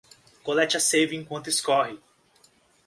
Colete a seiva enquanto escorre